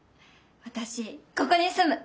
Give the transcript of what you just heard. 私ここに住む！